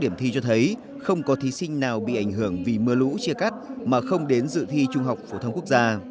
điểm thi cho thấy không có thí sinh nào bị ảnh hưởng vì mưa lũ chia cắt mà không đến dự thi trung học phổ thông quốc gia